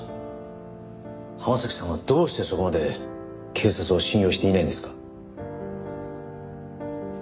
浜崎さんはどうしてそこまで警察を信用していないんですか？